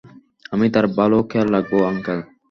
আমি তার ভালো খেয়াল রাখবো, আঙ্কেল!